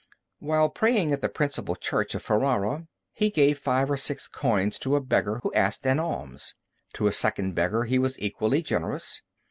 While praying at the principal church of Ferrara, he gave five or six coins to a beggar who asked an alms. To a second beggar he was equally generous.